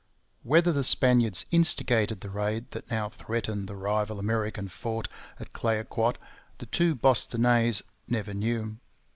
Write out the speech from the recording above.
Whether the Spaniards instigated the raid that now threatened the rival American fort at Clayoquot, the two 'Bostonnais' never knew.